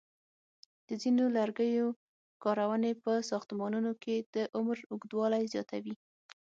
د ځینو لرګیو کارونې په ساختمانونو کې د عمر اوږدوالی زیاتوي.